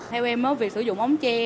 theo em việc sử dụng ống tre